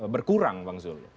berkurang bang zul